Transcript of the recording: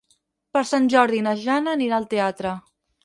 Per Sant Jordi na Jana anirà al teatre.